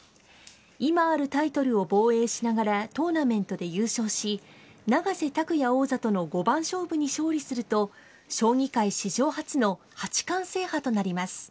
今あるタイトルを防衛しながらトーナメントで優勝し、永瀬拓矢王座との五番勝負に勝利すると、将棋界史上初の八冠制覇となります。